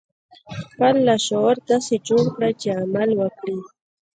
خپل لاشعور داسې جوړ کړئ چې عمل وکړي